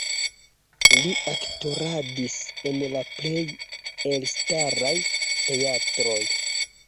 Li aktoradis en la plej elstaraj teatroj.